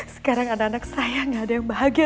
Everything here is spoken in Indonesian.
sekarang anak anak saya gak ada yang bahagia